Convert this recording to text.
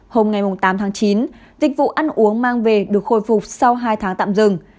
hôm ngày tám tháng chín dịch vụ ăn uống mang về được khôi phục sau hai tháng tạm dừng